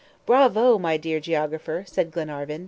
"Bravo! my dear geographer," said Glenarvan.